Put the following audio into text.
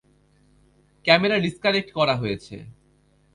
Camera disconnect করা হয়েছে।